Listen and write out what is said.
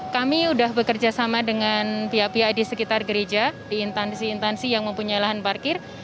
kami sudah bekerja sama dengan pihak pihak di sekitar gereja di intansi intansi yang mempunyai lahan parkir